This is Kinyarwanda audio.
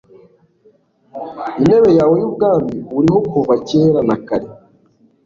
intebe yawe y'ubwami uriho kuva kera na kare